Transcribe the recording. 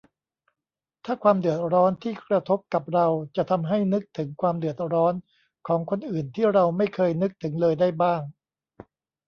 ถ้า 'ความเดือดร้อน' ที่กระทบกับเรา จะทำให้นึกถึงความเดือดร้อนของคนอื่นที่เราไม่เคยนึกถึงเลยได้บ้าง